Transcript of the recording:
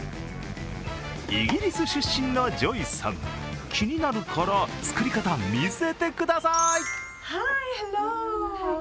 イギリス出身のジョイさん、気になるから、作り方、見せてください！